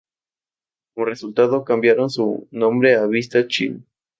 Como resultado, cambiaron su nombre a Vista Chino.